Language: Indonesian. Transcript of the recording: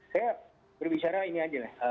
saya berbicara ini aja